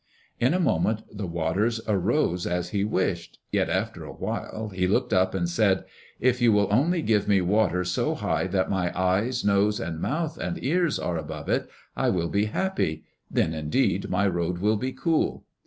In a moment the waters arose as he wished, yet after a while he looked up and said, "If you will only give me water so high that my eyes, nose, mouth and ears are above it, I will be happy. Then indeed my road will be cool."